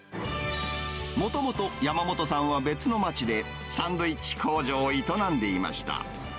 もともと、山本さんは別の町で、サンドイッチ工場を営んでいました。